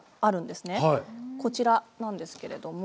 こちらなんですけれども。